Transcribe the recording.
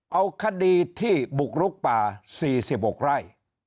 เอาคดีที่บุกลุกป่า๔๖ไร่